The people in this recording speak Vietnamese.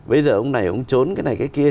bây giờ ông này ông trốn cái này cái kia